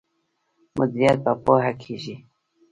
مدیریت په پوهه کیږي.